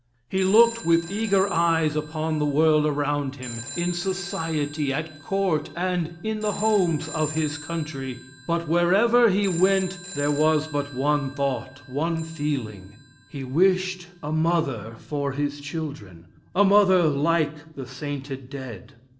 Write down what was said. He looked with eager eyes upon the world around him, in society, at Court, and, in the homes of his country. But wherever he went, there was but one thought one feeling. He wished a mother for his children a mother like the sainted dead.